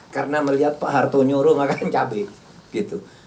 karena melihat pak harto nyuruh makan cabai